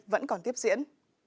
vẫn còn tiếp diễn